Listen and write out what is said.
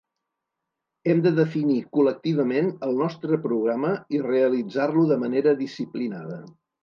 Hem de definir col·lectivament el nostre programa i realitzar-lo de manera disciplinada.